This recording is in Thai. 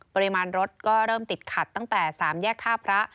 ปริมาณรถก็เริ่มติดขัดตั้งแต่๓แยกท่าพระ